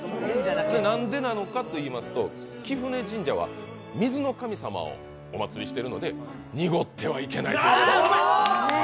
なんでなのかといいますと貴船神社は水の神様をおまつりしているので濁ってはいけないと。